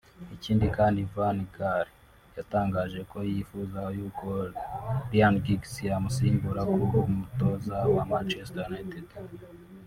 Ikindi kandi Van Gaal yatangaje ko yifuza y’uko Ryan Giggs yamusimbura ku kuba umutoza wa Manchester United